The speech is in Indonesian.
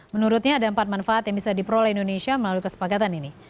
menurutnya ada empat manfaat yang bisa diperoleh indonesia melalui kesepakatan ini